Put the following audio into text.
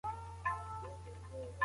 روغتيا تر شتمنۍ لويه پاچاهي ده.